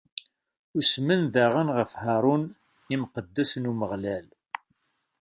Usmen daɣen ɣef Harun, imqeddes n Umeɣlal.